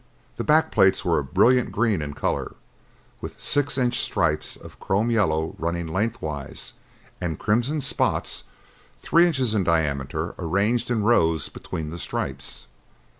] The backplates were a brilliant green in color, with six inch stripes of chrome yellow running lengthwise and crimson spots three inches in diameter arranged in rows between the stripes.